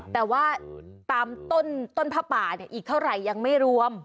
แต่ว่าตามต้นผ้าป่าอีกเท่าไหร่ยังไม่รวม